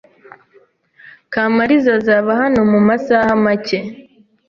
Kamariza azaba hano mumasaha make.